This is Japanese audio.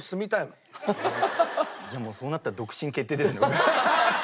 じゃあもうそうなったら独身決定ですね俺。